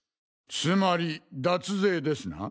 つまり脱税ですな。